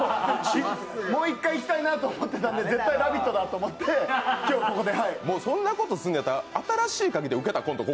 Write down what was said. もう一回行きたいなと思ってたんで絶対「ラヴィット！」だと思ってそんなことすんだったらあたらしいコント